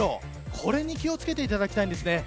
これに気を付けていただきたいです。